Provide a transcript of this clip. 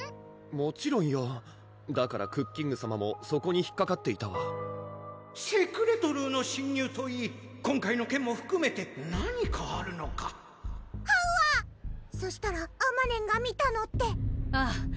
もちろんよだからクッキングさまもそこに引っかかっていたわセクレトルーの侵入といい今回の件もふくめて何かあるのかはうあそしたらあまねんが見たのって⁉ああ！